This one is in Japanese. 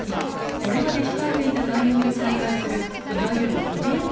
これまで控えていた買い物を再開するいわゆる、リベンジ